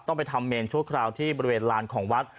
ต้องไปทำเมนทุกคราวที่บริเวณลานของวัด